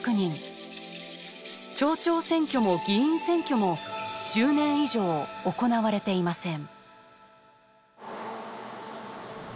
町長選挙も議員選挙も１０年以上行われていません。